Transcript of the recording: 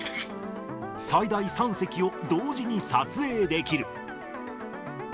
最大３席を同時に撮影できる。